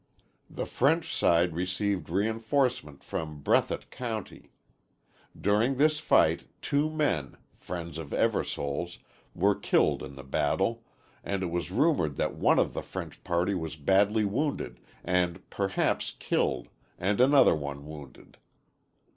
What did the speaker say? The French side received reinforcement from Breathitt County. During this fight two men, friends of Eversoles, were killed in the battle, and it was rumored that one of the French party was badly wounded and perhaps killed and another one wounded.